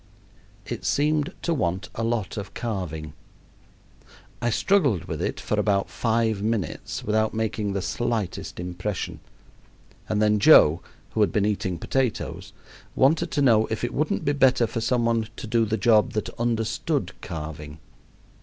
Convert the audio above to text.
It seemed to want a lot of carving. I struggled with it for about five minutes without making the slightest impression, and then Joe, who had been eating potatoes, wanted to know if it wouldn't be better for some one to do the job that understood carving.